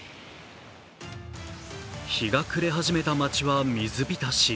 日が暮れ始めた街は水浸し。